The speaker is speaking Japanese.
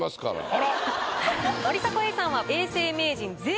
あら。